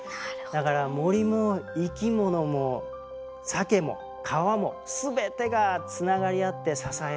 だから森も生き物もサケも川も全てがつながり合って支え合ってる。